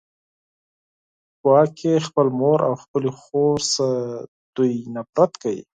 ګواکې خپلې مور او خپلې خور نه دوی نفرت کوي